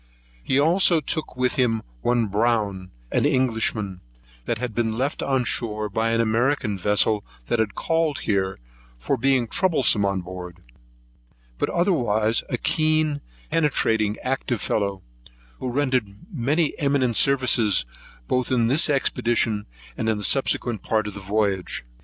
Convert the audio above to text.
He also took with him one Brown, an Englishman, that had been left on shore by an American vessel that had called there, for being troublesome on board: but otherwise a keen, penetrating, active fellow, who rendered many eminent services, both in this expedition and the subsequent part of the voyage.